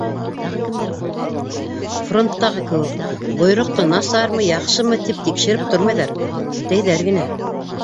Фронттағы кеүек: бойороҡто насармы, яҡшымы тип тикшереп тормайҙар, үтәйҙәр генә.